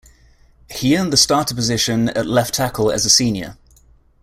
He earned the starter position at left tackle as a senior.